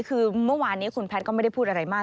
คือเมื่อวานนี้คุณแพทย์ก็ไม่ได้พูดอะไรมาก